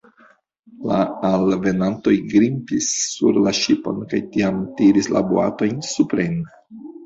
La alvenantoj grimpis sur la ŝipon kaj tiam tiris la boatojn supren.